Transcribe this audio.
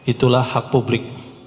itulah hak publik